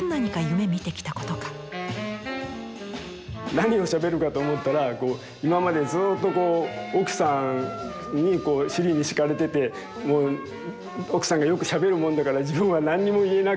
何をしゃべるかと思ったら今までずっと奥さんに尻に敷かれててもう奥さんがよくしゃべるもんだから自分は何にも言えなかった。